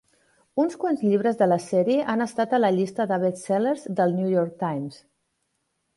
Uns quants llibres de la sèrie han estat a la llista de best-sellers del "New York Times".